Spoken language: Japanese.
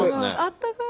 あったかい。